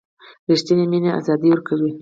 ریښتینې مینه آزادي ورکوي.